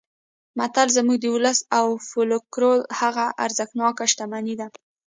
متل زموږ د ولس او فولکلور هغه ارزښتناکه شتمني ده